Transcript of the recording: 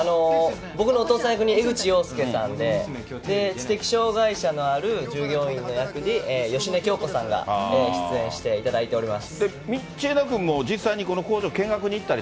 僕のお父さん役に江口洋介さんで、知的障がいのある従業員の役に、芳根京子さんが出演していただいております。